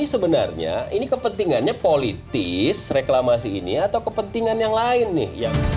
sebenarnya ini kepentingannya politis reklamasi ini atau kepentingan yang lain nih